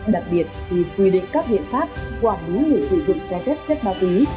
đặc biệt thì quy định các hiện pháp quản lý người sử dụng trái phép chất ma túy